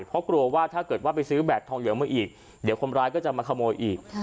เพราะกลัวว่าถ้าเกิดว่าไปซื้อแบบทองเหลืองมาอีกเดี๋ยวคนร้ายก็จะมาขโมยอีก